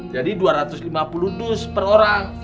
jadi dua ratus lima puluh dus per orang